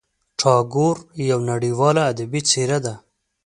ټاګور یوه نړیواله ادبي څېره ده.